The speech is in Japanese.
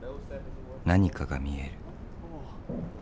何かが見える。